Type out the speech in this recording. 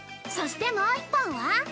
そしてもう一本は？